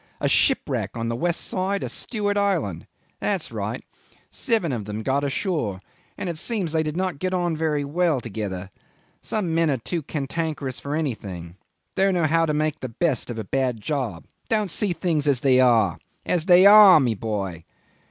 A shipwreck on the west side of Stewart Island; that's right; seven of them got ashore, and it seems they did not get on very well together. Some men are too cantankerous for anything don't know how to make the best of a bad job don't see things as they are as they are, my boy!